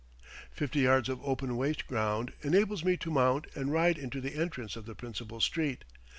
Fifty yards of open waste ground enables me to mount and ride into the entrance of the principal street.